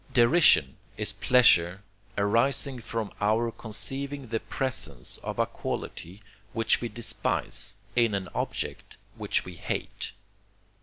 Derision is pleasure arising from our conceiving the presence of a quality, which we despise, in an object which we hate.